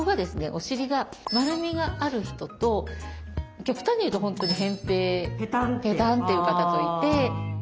お尻が丸みがある人と極端に言うと本当にへん平ペタンという方といて。